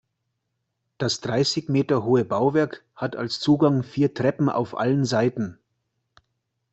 Das dreißig Meter hohe Bauwerk hat als Zugang vier Treppen auf allen Seiten.